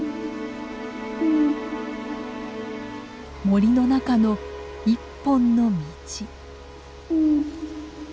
森の中の１本の道。